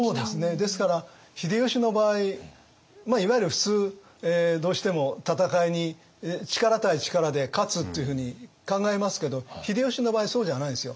ですから秀吉の場合いわゆる普通どうしても戦いに力対力で勝つっていうふうに考えますけど秀吉の場合そうじゃないんですよ。